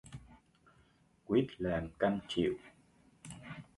Quýt làm cam chịu